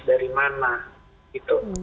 dari mana gitu